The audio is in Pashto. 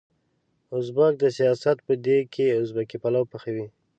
ازبک د سياست په دېګ کې ازبکي پلو پخوي.